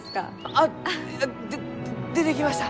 あで出てきました！